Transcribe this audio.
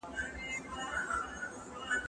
کېدای سي سپينکۍ نم وي!!